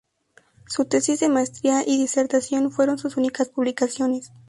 Su tesis de maestría y la disertación fueron sus únicas publicaciones.